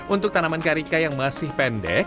untuk tanaman karika yang masih pendek